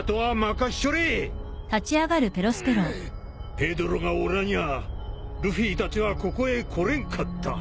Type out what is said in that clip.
ペドロがおらにゃあルフィたちはここへ来れんかった。